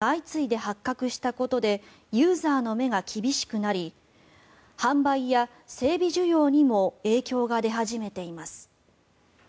ビッグモーターをはじめ業界大手の不正が相次いで発覚したことでユーザーの目が厳しくなり販売や整備需要にも影響が出始めています。